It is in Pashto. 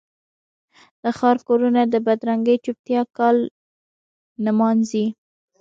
د ښار کورونه د بدرنګې چوپتیا کال نمانځي